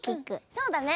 そうだね。